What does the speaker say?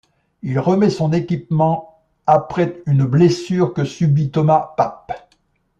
Il remet son équipement après une blessure que subit Thomas Papp.